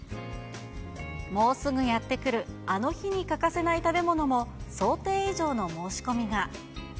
もうすぐやって来るあの日に欠かせない食べ物も、想定以上の申し込みが。